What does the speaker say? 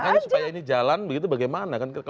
makanya supaya ini jalan begitu bagaimana